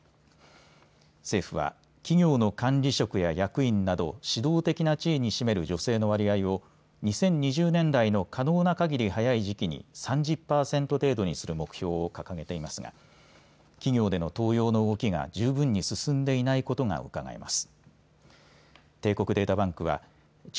政府は、企業の管理職や役員など指導的な地位に占める女性の割合を２０２０年代の可能なかぎり早い時期に３０％程度にする目標を掲げていますが企業での登用の動きが十分に進んでいないことがうかがえます。